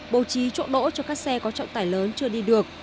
bố trí chỗ đỗ cho các xe có trọng tải lớn chưa đi được